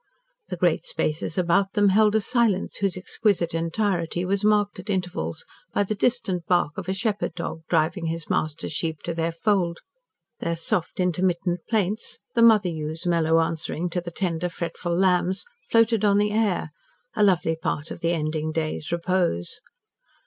The great spaces about them held a silence whose exquisite entirety was marked at intervals by the distant bark of a shepherd dog driving his master's sheep to the fold, their soft, intermittent plaints the mother ewes' mellow answering to the tender, fretful lambs floated on the air, a lovely part of the ending day's repose.